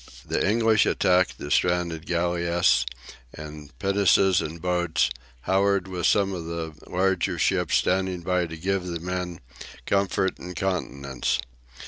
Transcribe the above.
The English attacked the stranded galleass in pinnaces and boats, Howard with some of the larger ships standing by "to give the men comfort and countenance."